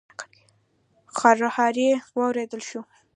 خرهاری واورېدل شو.